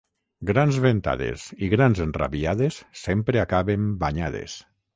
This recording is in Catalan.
Grans ventades i grans enrabiades sempre acaben banyades.